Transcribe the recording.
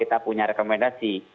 kita punya rekomendasi